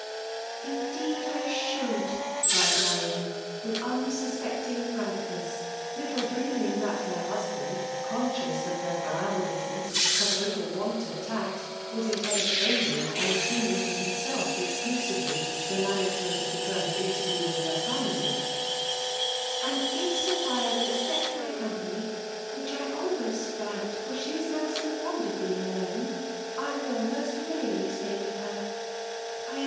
''*' Indeed I should !" cried Marian» witii un suspecting frankness, little dreaming that her husband; conscious of her gaflelessness^her total want of tact — was intent only on assuBK ing to himself exclusively the management of the first iatervicw with her &mily ;'^ and if. Sephia will accept my company (which I almost doubt, for she is now so fond of being alone),. I will most willingly stay with her. I am.